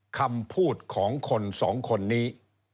คำพูดของคนสองคนนี้